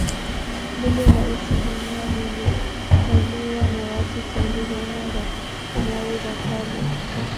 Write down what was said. Bonde la Isimila lilikaliwa na watu tangu Zama za Mawe za Kale